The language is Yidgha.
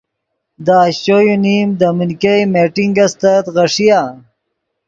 دے اشچو یو نیم دے من ګئے میٹنگ استت غیݰیآ۔